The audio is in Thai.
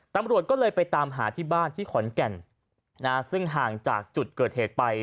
ตำรวจก็เลยไปตามหาที่บ้านที่ขอนแก่นซึ่งห่างจากจุดเกิดเหตุไป